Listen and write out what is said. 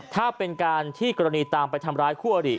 ถ้าเป็นการที่กรณีตามไปทำร้ายคู่อริ